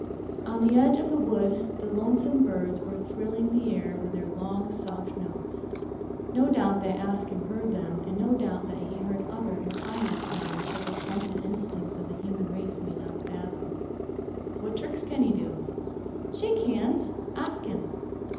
On the edge of the wood the "lonesome birds" were thrilling the air with their long, soft notes. No doubt that Ask Him heard them, and no doubt that he heard other and finer sounds that the stunted instincts of the human race may not fathom. "What tricks can he do?" "Shake hands, Ask Him."